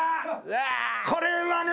これはね